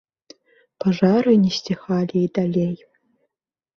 Пажары не сціхалі і далей.